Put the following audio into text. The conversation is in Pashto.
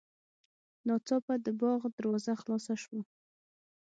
ناڅاپه د باغ دروازه خلاصه شوه.